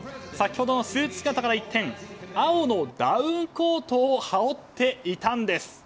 先ほどのスーツ姿から一転青のダウンコートを羽織っていたんです。